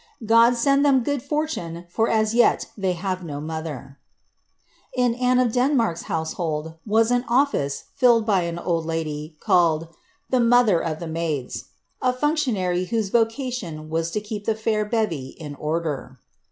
God send them good fortune, i"! as yet thev have no mother!"^ In Annu of Denmark's household ira an oflice filled by an old lady, called "■ the mother of ihe maid* ;" a functionary wliose I'ocaiion ivas to keep the fair bevy in order.